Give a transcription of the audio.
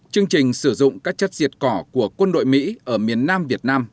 chương trình sử dụng các chất diệt cỏ của quân đội mỹ ở miền nam việt nam